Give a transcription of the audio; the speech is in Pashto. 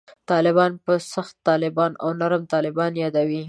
طالبان په «سخت طالبان» او «نرم طالبان» یادوي.